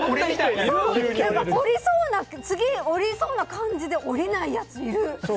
次、降りそうな感じで降りないやつ、いる！